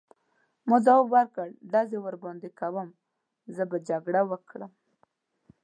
ما ځواب ورکړ: ډزې ورباندې کوم، زه به جګړه وکړم.